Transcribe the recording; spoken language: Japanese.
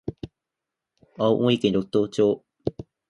青森県六戸町